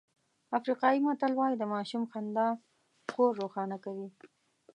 افریقایي متل وایي د ماشوم خندا کور روښانه کوي.